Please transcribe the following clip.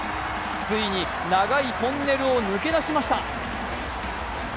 ついに長いトンネルを抜け出しました。